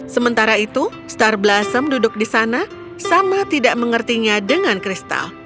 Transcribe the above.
sementara itu star blossom duduk di sana sama tidak mengertinya dengan kristal